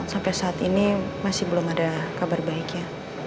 sampai saat ini masih belum ada kabar baiknya